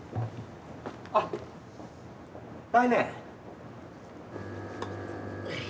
あっ、来年。